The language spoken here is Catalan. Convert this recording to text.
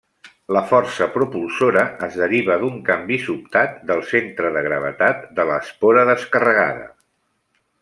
La força propulsora es deriva d'un canvi sobtat del centre de gravetat de l'espora descarregada.